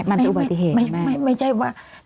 ไม่ไม่ใช่ว่า